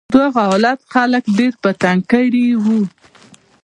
دغه حالت خلک ډېر په تنګ کړي و.